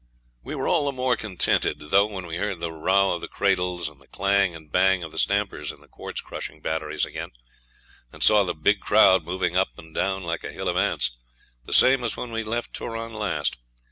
We were all the more contented, though, when we heard the row of the cradles and the clang and bang of the stampers in the quartz crushing batteries again, and saw the big crowd moving up and down like a hill of ants, the same as when we'd left Turon last.